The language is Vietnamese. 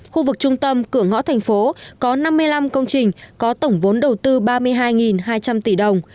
khu vực trung tâm cửa ngõ thành phố có năm mươi năm công trình có tổng vốn đầu tư ba mươi hai hai trăm linh tỷ đồng